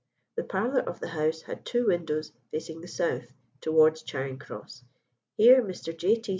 The parlour of the house had two windows facing the south towards Charing Cross. Here Mr. J. T.